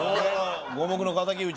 五目の敵討ち。